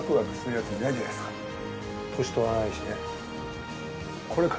年取らないしね。